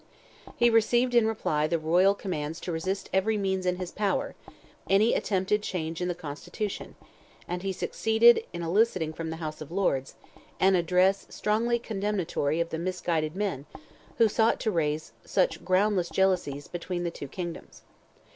He received in reply, the royal commands to resist by every means in his power, any attempted "change in the constitution," and he succeeded in eliciting from the House of Lords, an address, strongly condemnatory of "the misguided men," who sought to raise such "groundless jealousies," between the two kingdoms.